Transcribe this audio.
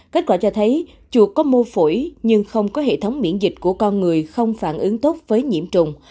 kết quả cho thấy chuột có mô phổi nhưng không có hệ thống miễn dịch của con người không phản ứng tốt với nhiễm trùng